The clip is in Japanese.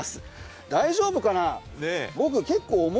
大丈夫かな。